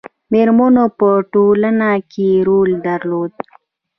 میرمنو په ټولنه کې رول درلود